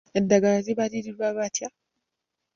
Eddagala libalirirwa litya?